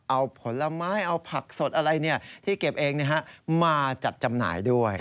เอาผลไม้เอาผักสดอะไรที่เก็บเองมาจัดจำหน่ายด้วย